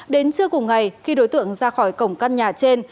đến trưa cùng ngày khi đối tượng ra khỏi cổng căn nhà trên